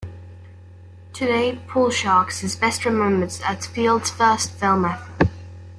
Today, "Pool Sharks" is best remembered as Fields' first film effort.